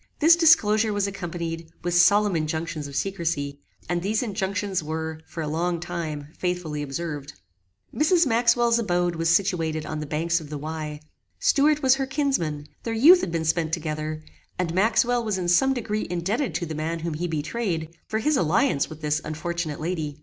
This disclosure was accompanied with solemn injunctions of secrecy, and these injunctions were, for a long time, faithfully observed. Mrs. Maxwell's abode was situated on the banks of the Wey. Stuart was her kinsman; their youth had been spent together; and Maxwell was in some degree indebted to the man whom he betrayed, for his alliance with this unfortunate lady.